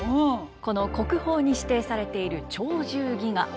この国宝に指定されている「鳥獣戯画」。